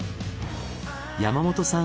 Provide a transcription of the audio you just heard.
山本さん